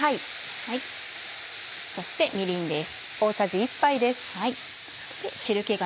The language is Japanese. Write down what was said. そしてみりんです。